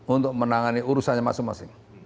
untuk menangani urusannya masing masing